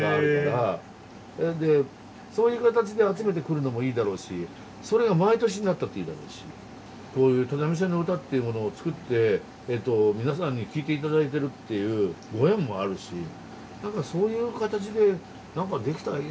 それでそういう形で集めてくるのもいいだろうしそれが毎年になったっていいだろうしこういう「只見線のうた」っていうものを作って皆さんに聴いていただいてるっていうご縁もあるし何かそういう形で何かできたらいいなとは思ってはいる。